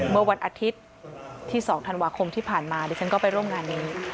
เมื่อวันอาทิตย์ที่๒ธันวาคมที่ผ่านมาดิฉันก็ไปร่วมงานนี้